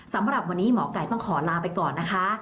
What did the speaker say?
สำหรับวันนี้หมอไก่ต้องขอลาไปก่อนนะคะ